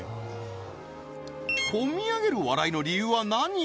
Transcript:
こみ上げる笑いの理由は何？